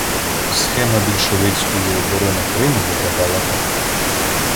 Схема більшовицької оборони Криму виглядала так.